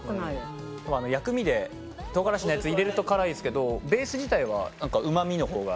薬味で唐辛子のやつ入れると辛いですけどベース自体は何かうま味のほうが。